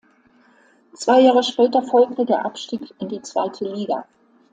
Zwei Jahre später folgte der Abstieg in die zweite Liga.